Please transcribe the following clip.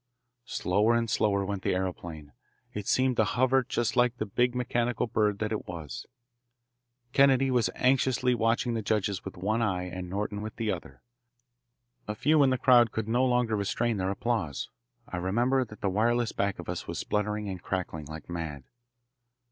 Slower and slower went the aeroplane. It seemed to hover just like the big mechanical bird that it was. Kennedy was anxiously watching the judges with one eye and Norton with the other. A few in the crowd could no longer restrain their applause. I remember that the wireless back of us was spluttering and crackling like mad.